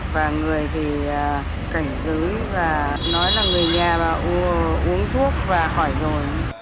và người thì cảnh giới và nói là người nhà đã uống thuốc và khỏi rồi